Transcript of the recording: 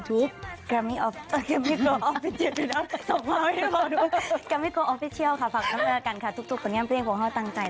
ทุกคนยังไม่เลี่ยงฝากน้ำเงินตั้งใจ